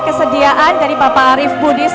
kesediaan dari bapak arief budis